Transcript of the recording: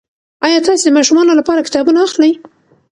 ایا تاسي د ماشومانو لپاره کتابونه اخلئ؟